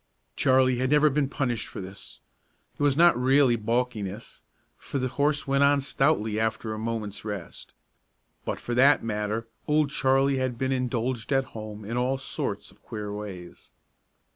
Charlie had never been punished for this. It was not really balkiness, for the horse went on stoutly after a moment's rest. But for that matter, Old Charlie had been indulged at home in all sorts of queer ways.